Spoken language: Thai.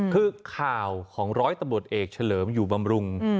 คือข่าวของร้อยตำรวจเอกเฉลิมอยู่บำรุง